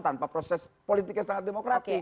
tanpa proses politik yang sangat demokratik